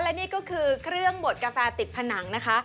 และนี่ก็คือเครื่องบดกาแฟติดผนังนะคะ